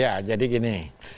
ya jadi gini